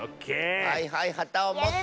はいはいはたをもって。